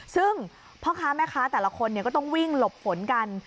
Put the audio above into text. ซึ่งพ่อค้าแม่ค้าแต่ละคนก็ต้องวิ่งหลบฝนกัน